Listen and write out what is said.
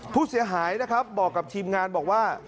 ผู้เสียหายนะครับบอกกับทีมงานบอกว่า